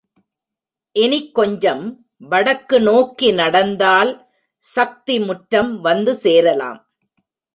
இனிக் கொஞ்சம் வடக்கு நோக்கி நடந்தால் சக்தி முற்றம் வந்து சேரலாம்.